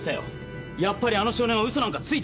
やっぱりあの少年はウソなんかついてなかったんだ。